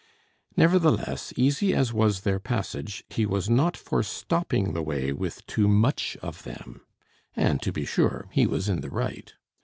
Nevertheless, easy as was their passage, he was not for stopping the way with too much of them; and, to be sure, he was in the right.